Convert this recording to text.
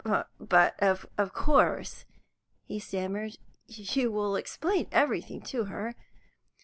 "But of course," he stammered, "you will explain everything to her.